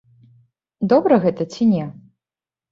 Добра гэта ці не?